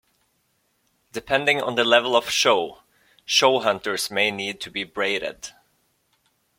Depending on the level of show, show hunters may need to be braided.